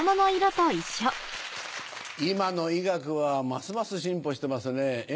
今の医学はますます進歩してますねぇ。